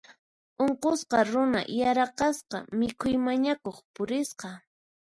Unqusqa runa yaraqasqa mikhuy mañakuq purisqa.